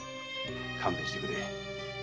勘弁してくれ。